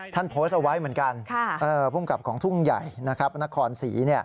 ท่านโพสต์เอาไว้เหมือนกันภูมิกับของทุ่งใหญ่นะครับนครศรี